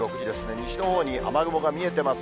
西のほうに雨雲が見えてます。